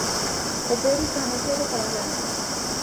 O peor está anunciado para o venres.